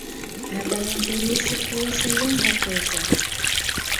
Натален чурийже колышо еҥла койжо!